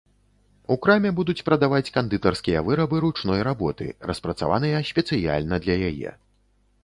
У краме будуць прадаваць кандытарскія вырабы ручной работы, распрацаваныя спецыяльна для яе.